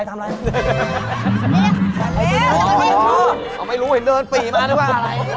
ไม่รู้เห็นเดินปีมาหรือว่าอะไร